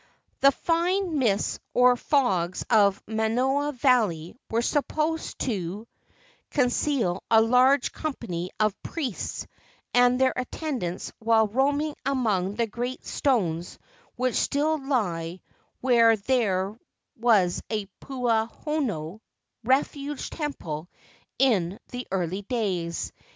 The fine mists or fogs of Manoa Valley were supposed to conceal a large company of priests and their attendants while roaming among the great stones which still lie where there was a puu honua (refuge temple) in the early days.